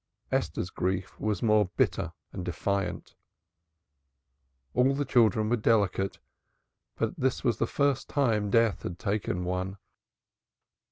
Esther's grief was more bitter and defiant. All the children were delicate, but it was the first time death had taken one.